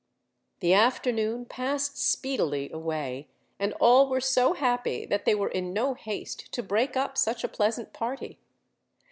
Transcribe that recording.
The afternoon passed speedily away; and all were so happy that they were in no haste to break up such a pleasant party.